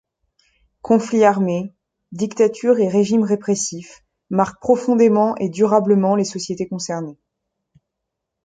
Conflits armés, dictatures et régimes répressifs marquent profondément et durablement les sociétés concernées.